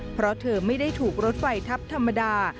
เพราะเธอไม่ได้ถูกรถไฟทับธรรมดา